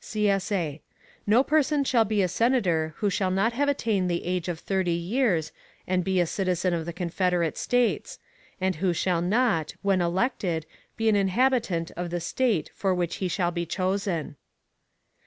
[CSA] No person shall be a Senator who shall not have attained the age of thirty years, and be a citizen of the Confederate States; and who shall not, when elected, be an inhabitant of the State for which he shall be chosen.